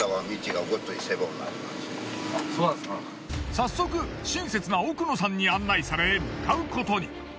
早速親切な奥野さんに案内され向かうことに。